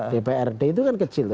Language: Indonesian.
dprd itu kan kecil